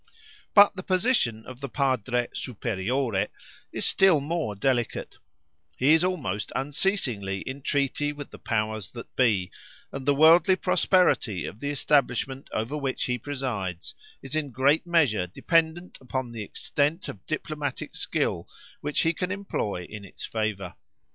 But the position of the Padre Superiore is still more delicate; he is almost unceasingly in treaty with the powers that be, and the worldly prosperity of the establishment over which he presides is in great measure dependent upon the extent of diplomatic skill which he can employ in its favour.